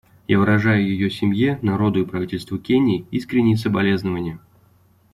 Я выражаю ее семье, народу и правительству Кении искренние соболезнования.